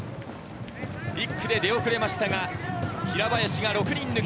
１区で出遅れましたが平林が６人抜き。